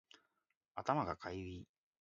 頭がかゆい